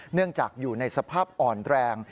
เนื่องจากอยู่ในสภาพอ่อนแรง